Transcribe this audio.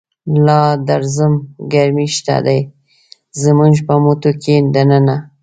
لادرزم ګرمی شته دی، زموږ په مټوکی دننه